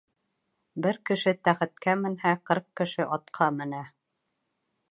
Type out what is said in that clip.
Бер кеше тәхеткә менһә, ҡырҡ кеше атҡа менә.